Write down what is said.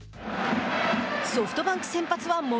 ソフトバンク先発は森。